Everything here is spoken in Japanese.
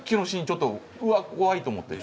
ちょっと「うわ怖い」と思って。